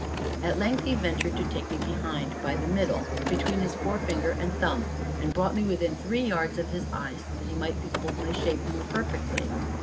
At length he ventured to take me behind, by the middle, between his forefinger and thumb, and brought me within three yards of his eyes, that he might behold my shape more perfectly.